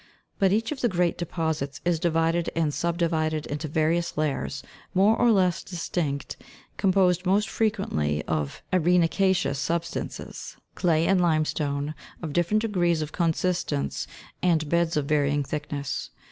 But each of the great deposits is divided and subdivided into various layers, more or less distinct, composed most frequently of arena'ceous substances, clay and limestone, of different degrees of consistence, and in beds of varying thickness.